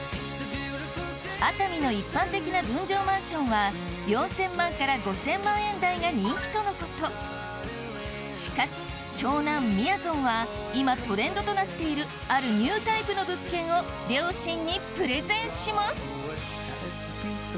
熱海の一般的な分譲マンションは４０００万から５０００万円台が人気とのことしかし長男みやぞんは今トレンドとなっているあるニュータイプの物件を両親にプレゼンします